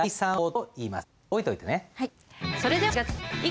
はい。